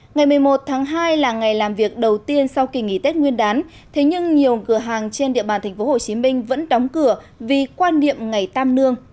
ngày một mươi một tháng hai là ngày làm việc đầu tiên sau kỳ nghỉ tết nguyên đán thế nhưng nhiều cửa hàng trên địa bàn tp hcm vẫn đóng cửa vì quan niệm ngày tam nương